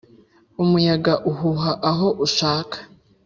Umuyaga uhuha aho ushaka,